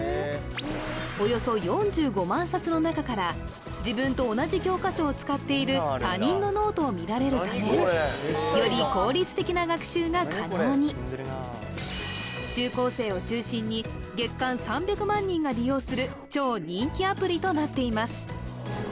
およそ４５万冊の中から自分と同じ教科書を使っている他人のノートを見られるためより効率的な学習が可能にする超人気アプリとなっています